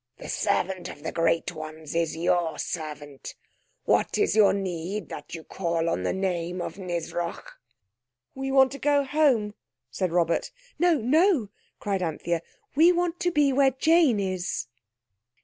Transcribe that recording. "The servant of the Great Ones is your servant. What is your need that you call on the name of Nisroch?" "We want to go home," said Robert. "No, no," cried Anthea; "we want to be where Jane is."